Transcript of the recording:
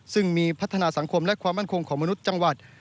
ซึ่งมีพัฒนาสังคมและความมั่นคงของมนุษย์จังหวัด